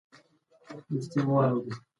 ایا ته کله کوم لوی ځنګل ته تللی یې؟